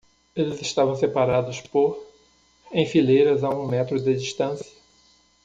Eles estavam separados por? em fileiras a um metro de distância.